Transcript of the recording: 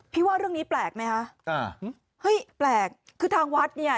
พี่ว่าเรื่องนี้แปลกไหมฮะอ่าหื้อหึแปลกคือทางวัฒน์เนี้ย